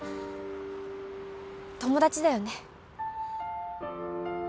友達だよね？